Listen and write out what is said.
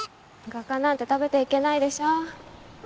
画家なんて食べていけないでしょ